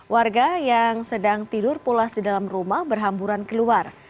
warga yang sedang tidur pulas di dalam rumah berhamburan keluar